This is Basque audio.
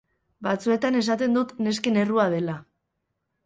Batzuetan esaten dut nesken errua dela!